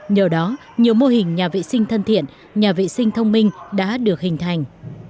nhờ đó nhiều mô hình nhà vệ sinh thân thiện nhà vệ sinh thông minh đã được hình thành